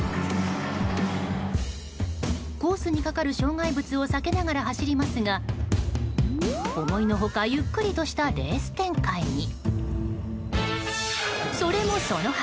コースにかかる障害物をさけながら走りますが思いの外、ゆっくりとしたレース展開に。